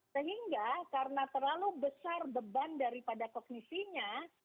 sehingga karena terlalu besar beban daripada kognisinya